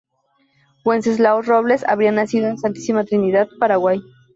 Wenceslao Robles habría nacido en Santísima Trinidad, Paraguay.